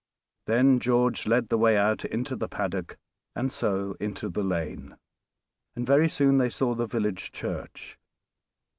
Then George led the way out into the paddock, and so into the lane, and very soon they saw the village church.